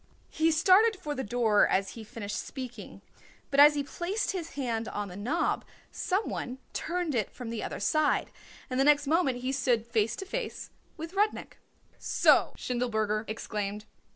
He started for the door as he finished speaking, but as he placed his hand on the knob some one turned it from the other side and the next moment he stood face to face with Rudnik. "So!" Schindelberger exclaimed.